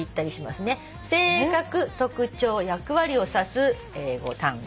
「性格」「特徴」「役割」を指す英語単語